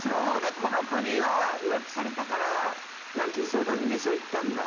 この子には浮気されたから浮気の相談でそう言ったんだ。